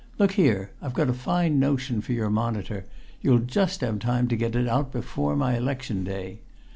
Look here, I've got a fine notion for your Monitor you'll just have time to get it out before my election day.